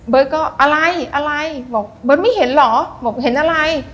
ก็อะไรอะไรบอกเบิร์ตไม่เห็นเหรอบอกเห็นอะไร